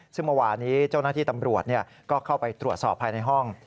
ซึ่งเมื่อวานี้เจ้าหน้าที่ตำรวจก็เข้าไปตรวจสอบภายในห้อง